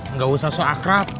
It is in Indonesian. nggak usah so akrab